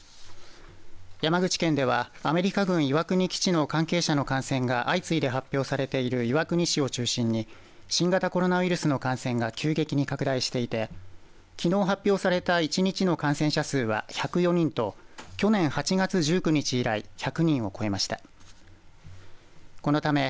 山口県ではアメリカ軍岩国基地県の関係者の感染が相次いで発表している岩国市を中心に新型コロナウイルスの感染が急激に拡大していてきのう発表された１日の感染者数は１０４人と去年８月１９日以来１００人を超えました。